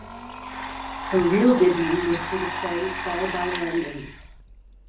Her real debut was through the play "By Bye London".